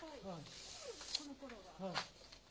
このころは。